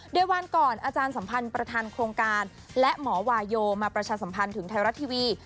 โดยวันก่อนอาจารย์สัมพันธ์ประธานโครงการและหมอวาโยมาประชาสัมพันธ์ถึงไทยรัฐทีวี